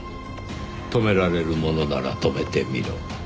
止められるものなら止めてみろ。